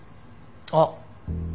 あっ。